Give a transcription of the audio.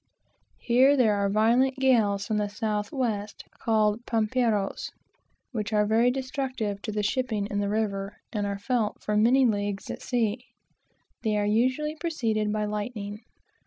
Here there are violent gales from the south west, called Pomperos, which are very destructive to the shipping in the river, and are felt for many leagues at sea. They are usually preceded by lightning.